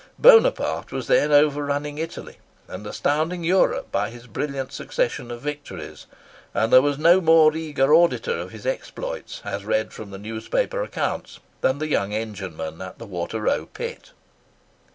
Buonaparte was then overrunning Italy, and astounding Europe by his brilliant succession of victories; and there was no more eager auditor of his exploits, as read from the newspaper accounts, than the young engineman at the Water row Pit.